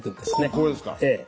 これですか？